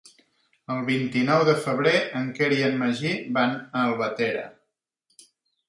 El vint-i-nou de febrer en Quer i en Magí van a Albatera.